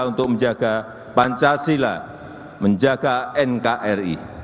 untuk menjaga pancasila menjaga nkri